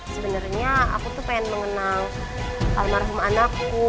sebenernya aku tuh pengen mengenalpukannya